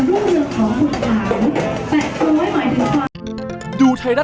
ก็ไม่มีคนกลับมาหรือเปล่า